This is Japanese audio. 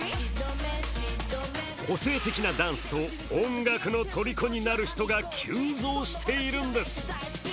個性的なダンスと音楽のとりこになる人が急増しているんです。